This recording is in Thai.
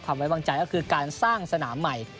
ไว้วางใจก็คือการสร้างสนามใหม่